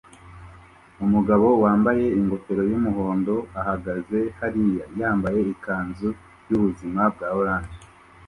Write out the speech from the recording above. Umugabo wambaye ingofero yumuhondo ahagaze hariya yambaye ikanzu yubuzima bwa orange